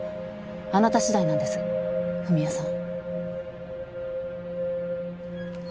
あなたしだいなんです文哉さん。